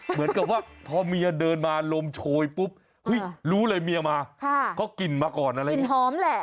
เหมือนกับว่าพอเมียเดินมาลมโชยปุ๊บหึ้ยรู้เลยเมียมาเขากลิ่นมาก่อนอะไรอย่างนี้